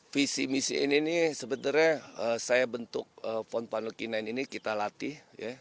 visi misi ini nih sebenarnya saya bentuk pon panel k sembilan ini kita latih